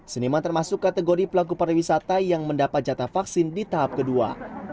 seniman termasuk kategori pelaku pariwisata yang mendapat jatah vaksin di tahap kedua